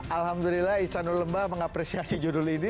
alhamdulillah istanul lembah mengapresiasi judul ini